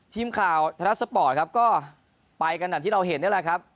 ทีมข่าวไทยรัฐสปอร์ตครับก็ไปกันแบบที่เราเห็นนี่แหละครับ